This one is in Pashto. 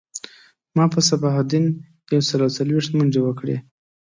ما په صباح الدین یو سل او څلویښت منډی وکړی